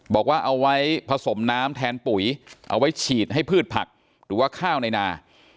บอกว่าเอาไว้ผสมน้ำแทนปุ๋ยเอาไว้ฉีดให้พืชผักหรือว่าข้าวในนา